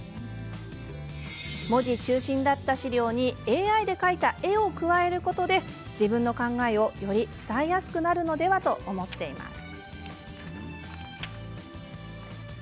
文字中心だった資料にＡＩで描いた絵を加えることで自分の考えをより伝えやすくなるのではと思っています。